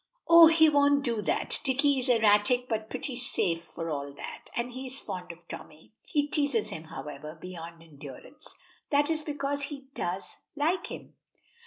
"Oh, he won't do that. Dicky is erratic, but pretty safe, for all that. And he is fond of Tommy." "He teases him, however, beyond endurance." "That is because he does like him."